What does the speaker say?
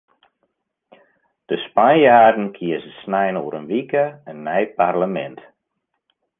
De Spanjaarden kieze snein oer in wike in nij parlemint.